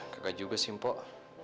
gak juga sih mpok